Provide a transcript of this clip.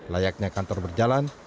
layaknya kantor berjalan